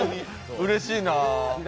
うれしいな。